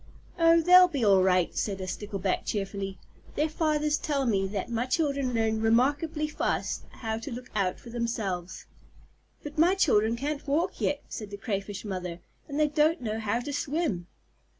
"Oh, they'll be all right," said a Stickleback cheerfully. "Their fathers tell me that my children learn remarkably fast how to look out for themselves." "But my children can't walk yet," said the Crayfish Mother, "and they don't know how to swim."